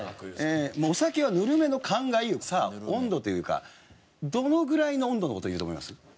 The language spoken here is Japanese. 「お酒はぬるめの燗がいい」をさあ温度というかどのぐらいの温度の事言うと思います？